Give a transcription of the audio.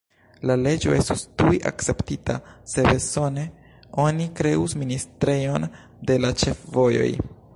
La leĝo estus tuj akceptita: se bezone, oni kreus ministrejon de la ĉefvojoj.